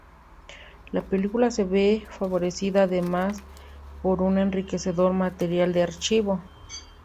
La película se ve favorecida además por un enriquecedor material de archivo.